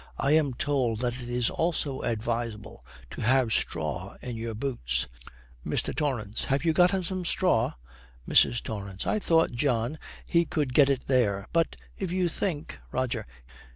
I am told that it is also advisable to have straw in your boots.' MR. TORRANCE. 'Have you got him some straw?' MRS. TORRANCE. 'I thought, John, he could get it there. But if you think ' ROGER.